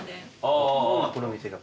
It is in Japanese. このお店が。